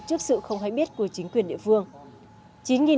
trước sự không hay biết của chính quyền địa phương